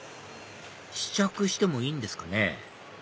試着してもいいんですかね？